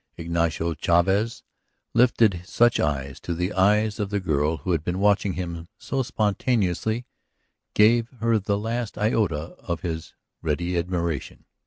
Ignacio Chavez lifted such eyes to the eyes of the girl who had been watching him and spontaneously gave her the last iota of his ready admiration.